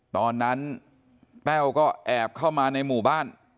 แต้วก็แอบเข้ามาในหมู่บ้าน